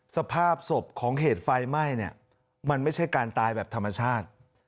สภาพศพของเหตุไฟไหม้เนี่ยมันไม่ใช่การตายแบบธรรมชาติ